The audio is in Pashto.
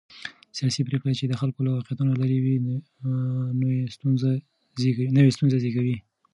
سیاسي پرېکړې چې د خلکو له واقعيتونو لرې وي، نوې ستونزې زېږوي.